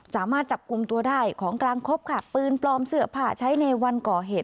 สามารถจับกลุ่มตัวได้ของกลางครบค่ะปืนปลอมเสื้อผ้าใช้ในวันก่อเหตุ